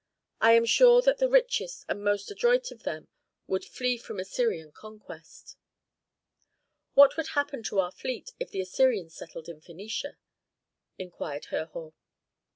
I am sure that the richest and most adroit of them would flee from Assyrian conquest." "What would happen to our fleet, if the Assyrians settled in Phœnicia?" inquired Herhor.